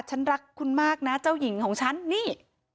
ฉันรักคุณมากนะเจ้าหญิงของฉันนี่